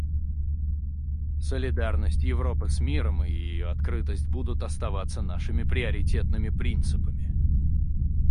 Солидарность Европы с миром и ее открытость будут оставаться нашими приоритетными принципами.